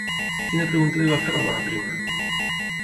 Quina pregunta li va fer la dona prima?